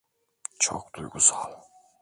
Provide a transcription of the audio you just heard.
Çok duygusal.